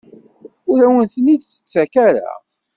Ur awen-ten-id-tettak ara?